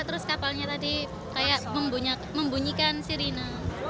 tadi kapalnya tadi kayak membunyikan sirina